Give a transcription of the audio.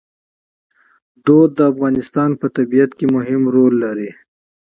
کلتور د افغانستان په طبیعت کې مهم رول لري.